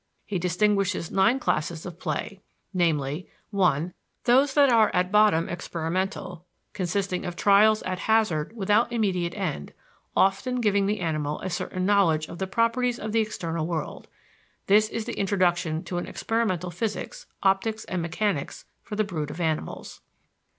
He distinguishes nine classes of play, viz.: (1) Those that are at bottom experimental, consisting of trials at hazard without immediate end, often giving the animal a certain knowledge of the properties of the external world. This is the introduction to an experimental physics, optics, and mechanics for the brood of animals.